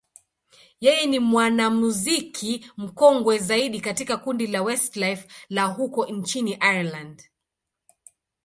yeye ni mwanamuziki mkongwe zaidi katika kundi la Westlife la huko nchini Ireland.